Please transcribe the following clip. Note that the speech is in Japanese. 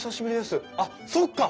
あっそっか！